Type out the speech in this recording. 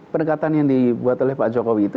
pendekatan yang dibuat oleh pak jokowi itu